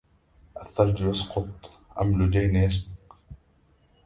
الثلج يسقط أم لجين يسبك